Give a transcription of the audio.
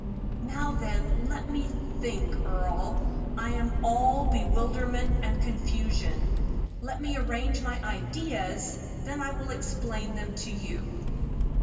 "Now, then, let me think, Earle; I am all bewilderment and confusion. Let me arrange my ideas, then I will explain them to you."